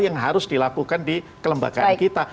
yang harus dilakukan di kelembagaan kita